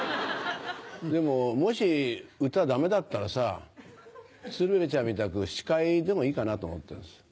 でももし歌ダメだったらさ鶴瓶ちゃんみたく司会でもいいかなと思ってんです。